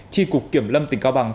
chi cục kiểm lâm tỉnh cao bằng